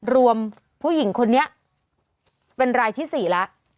รวมผู้หญิงคนนี้เป็นรายที่๔แล้ว